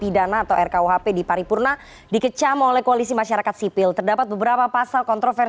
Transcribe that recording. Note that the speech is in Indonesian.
dan pendiri lokataru mas haris azhar